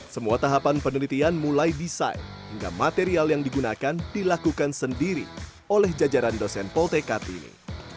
semua tahapan penelitian mulai desain hingga material yang digunakan dilakukan sendiri oleh jajaran dosen poltekad ini